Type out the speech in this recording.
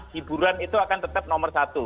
hiburan itu akan tetap nomor satu